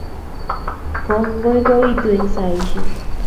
Kongoi koitu eng saishek